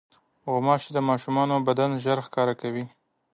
غوماشې د ماشومانو بدن ژر ښکار کوي.